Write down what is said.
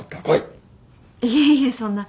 いえいえそんな。